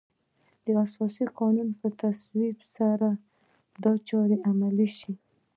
د اساسي قانون په تصویب سره دا چاره عملي شوه.